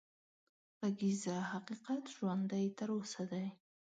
غږېږه حقيقت ژوندی تر اوسه دی